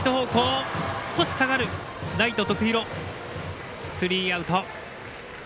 ライト、徳弘スリーアウト。